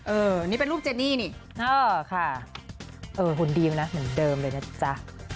เออนี่เป็นรูปเจนี่นี่ค่ะเออหุ่นดีมานะเหมือนเดิมเลยนะจ๊ะ